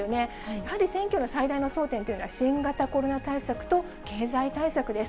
やはり選挙の最大の争点というのは、新型コロナ対策と経済対策です。